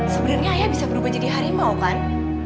sebenarnya ayah bisa berubah jadi harimau kan